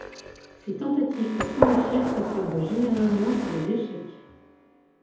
Ses tentatives pour s'enrichir se soldent généralement par des échecs.